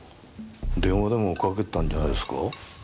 電話でもかけてたんじゃないですか？